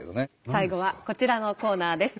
最後はこちらのコーナーです。